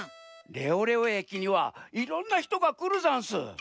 レオレオえきにはいろんなひとがくるざんす。